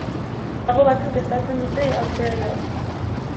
Pago batzuk estaltzen dute aurpegi hau.